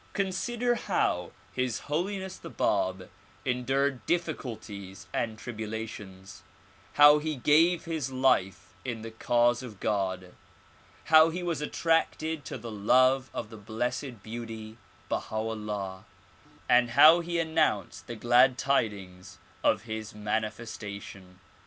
Consider how His Holiness the Bab endured difficulties and tribulations ; how he gave his life in the cause of God ; how he was attracted to the love of the Blessed Beauty Baha 'Ullah ; and how he announced the glad tidings of his manifestation.